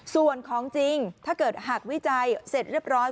ส่วนของจริงถ้าเกิดหากวิจัยเสร็จเรียบร้อย